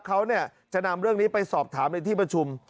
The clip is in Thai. เขาจะนำเรื่องนี้ไปสอบถามในที่ประชุม